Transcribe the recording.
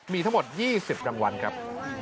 มีทั้งหมด๒๐รางวัลครับ